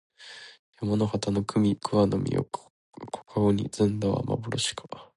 山の畑の桑の実を小かごに摘んだはまぼろしか